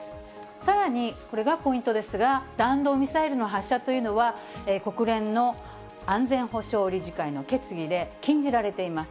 さらに、これがポイントですが、弾道ミサイルの発射というのは、国連の安全保障理事会の決議で禁じられています。